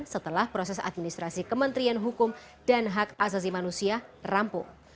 setelah proses administrasi kementerian hukum dan hak asasi manusia rampung